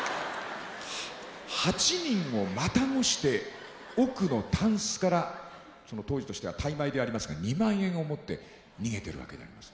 ８人をまたごして奥のタンスからその当時としては大枚でありますが２万円を持って逃げてるわけであります。